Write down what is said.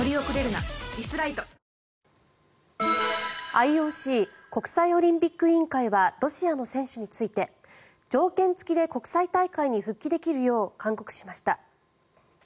ＩＯＣ・国際オリンピック委員会はロシアの選手について条件付きで国際大会に復帰できるよう勧告しました。